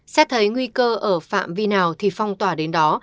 xét thấy nguy cơ ở phạm vi nào thì phong tỏa đến đó